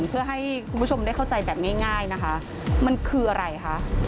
เพื่อให้คุณผู้ชมได้เข้าใจแบบง่ายนะคะมันคืออะไรคะ